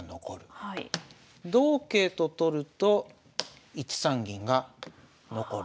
同桂と取ると１三銀が残る。